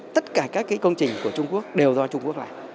tất cả các công trình của trung quốc đều do trung quốc làm